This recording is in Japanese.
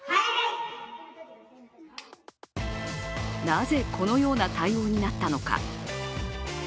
なぜこのような対応になったのか。